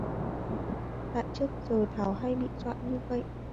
tại trước tới giờ thảo hay bị dọa như vậy